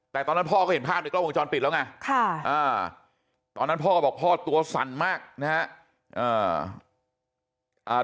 แต่ตอนนั้นพ่อก็เห็นภาพในกล้องวงจรปิดแล้วไงตอนนั้นพ่อบอกพ่อตัวสั่นมากนะครับ